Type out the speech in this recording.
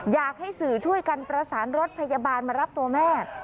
อยากให้สื่อช่วยกันประสานรถพยาบาลมารับตัวแม่